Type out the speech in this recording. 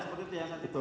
seperti itu ya